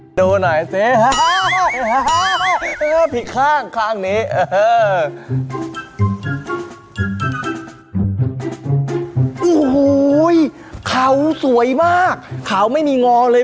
โอ้โหดูหน่อยสิพิกษ์ข้างข้างนี้โอ้โหขาวสวยมากขาวไม่มีงอเลย